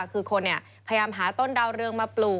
คือคนพยายามหาต้นดาวเรืองมาปลูก